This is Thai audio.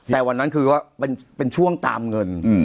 แต่วันนั้นคือว่าเป็นช่วงตามเงิน